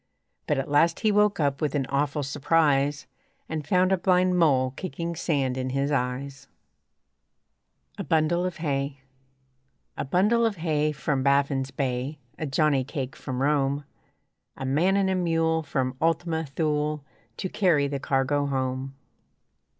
But at last he woke up with an awful surprise And found a blind mole kicking sand in his eyes. A BUNDLE OF HAY A bundle of hay From Baffin's Bay, A johnny cake from Rome, A man and a mule From Ultima Thule To carry the cargo home.